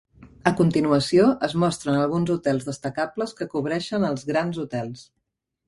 A continuació, es mostren alguns hotels destacables que cobreixen els "grans hotels".